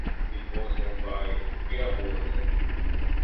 It was won by Irapuato.